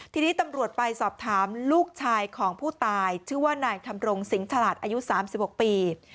ทีนี้ตำรวจไปสอบถามลูกชายของผู้ตายชื่อว่านายทำรงสิงฉลาดอายุ๓๖ปี